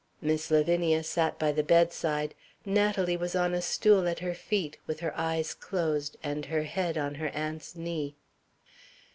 Miss Lavinia sat by the bedside. Natalie was on a stool at her feet with her eyes closed, and her head on her aunt's knee.